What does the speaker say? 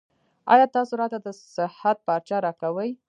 ایا تاسو راته د صحت پارچه راکوئ؟